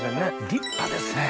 立派ですね。